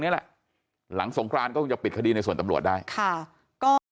นี่แหละหลังสงครานก็คงจะปิดคดีในส่วนตำรวจได้ค่ะก็